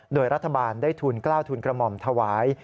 โดยรัฐบาลได้ทุนกล้าวทุนกระหม่อมถวาย